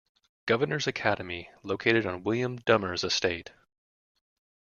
Governor's Academy located on William Dummer's estate.